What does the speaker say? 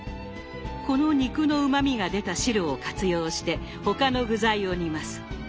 この肉のうまみが出た汁を活用して他の具材を煮ます。